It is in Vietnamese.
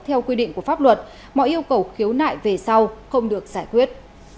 theo quy định của pháp luật mọi yêu cầu khiếu nại về sau không được giải quyết